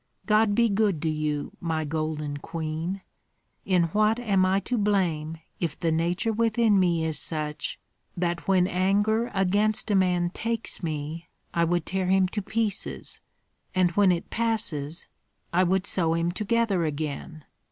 God be good to you, my golden queen! In what am I to blame if the nature within me is such that when anger against a man takes me I would tear him to pieces, and when it passes I would sew him together again."